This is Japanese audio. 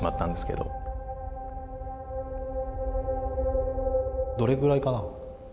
どれぐらいかな。